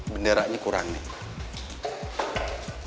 bendaranya kurang nih